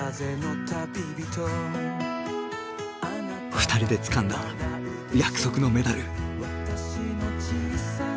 ２人でつかんだ約束のメダル。